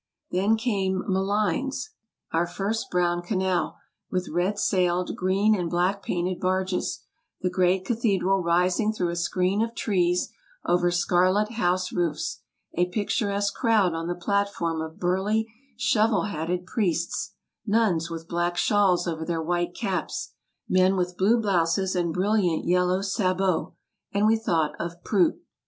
Then came Malines, our first brown canal, with red sailed, green and black painted barges, the great cathedral rising through a screen of trees over scarlet house roofs, a picturesque crowd on the platform of burly, shovel hatted priests, nuns with black shawls over their white caps, men with blue blouses and brilliant yellow sabots — and we thought of Prout.